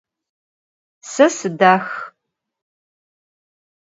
Se sıdax.